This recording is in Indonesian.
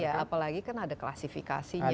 ya apalagi kan ada klasifikasinya